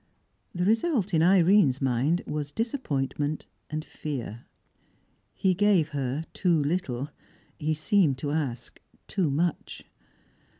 The result in Irene's mind was disappointment and fear. He gave her too little; he seemed to ask too much.